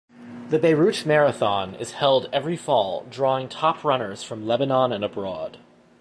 The Beirut Marathon is held every fall, drawing top runners from Lebanon and abroad.